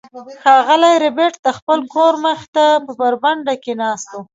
ښاغلی ربیټ د خپل کور مخې ته په برنډه کې ناست و